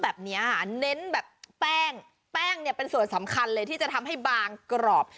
แบ้งเป็นส่วนสำคัญเลยที่จะทำให้บางกรอบ